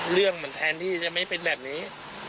เรื่องมันแทนที่จะไม่เป็นแบบนี้